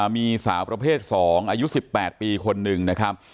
มีสาวประเภท๒อายุ๑๘ปีคนหนึ่งนะครับ